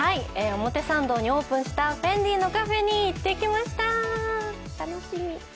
表参道にオープンしたフェンディのカフェに行ってきました。